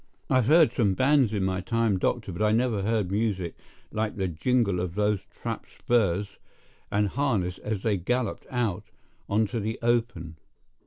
I've heard some bands in my time, doctor, but I never heard music like the jingle of those traps' spurs and harness as they galloped out on to the open.